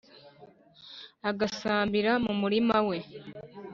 asagambira mu murima we